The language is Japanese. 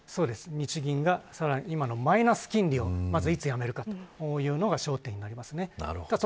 日銀が今のマイナス金利をいつやめるかが焦点になります。